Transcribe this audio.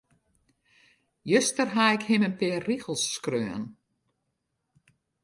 Juster haw ik him in pear rigels skreaun.